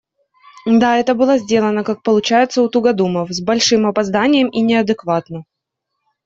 Да, это было сделано, как получается у тугодумов, с большим опозданием и неадекватно.